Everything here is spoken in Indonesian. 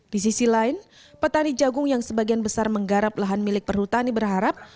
di sisi lain petani jagung yang sebagian besar menggarap lahan milik perhutani berharap